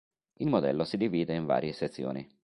Il modello si divide in varie sezioni.